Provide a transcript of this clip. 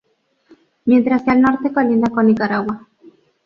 Mientras que al norte colinda con Nicaragua.